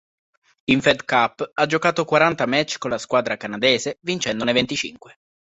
In Fed Cup ha giocato quaranta match con la squadra canadese vincendone venticinque.